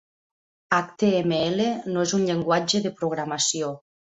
HTML no és un llenguatge de programació.